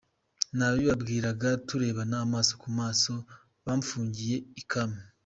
Nabibabwiraga turebana amaso ku maso, bamfungiye I Kami.